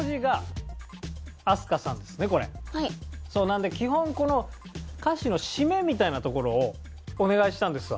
なので基本この歌詞の締めみたいなところをお願いしたんです。